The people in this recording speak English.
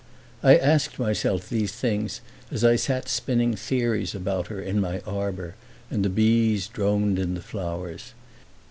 I asked myself these things as I sat spinning theories about her in my arbor and the bees droned in the flowers.